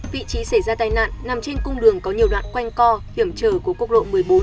vị trí xảy ra tai nạn nằm trên cung đường có nhiều đoạn quanh co hiểm trở của quốc lộ một mươi bốn